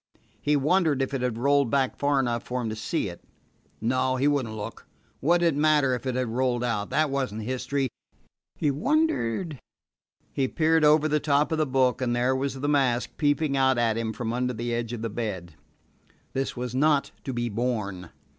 He wondered if it had rolled back far enough for him to see it. No, he would n't look. What did it matter if it had rolled out? That was n't history. He wondered He peered over the top of the book, and there was the mask peeping out at him from under the edge of the bed. This was not to be borne.